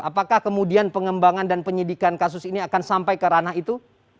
apakah kemudian pengembangan dan penyidikan kasus ini akan sampai ke ranah itu